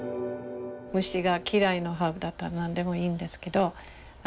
虫が嫌いなハーブだったら何でもいいんですけど。